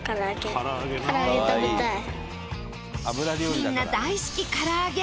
みんな大好き唐揚げ。